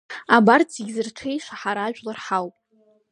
Абарҭ зегьы зырҽеиша ҳара, ажәлар ҳауп.